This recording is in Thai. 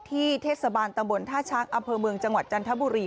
เทศบาลตำบลท่าช้างอำเภอเมืองจังหวัดจันทบุรี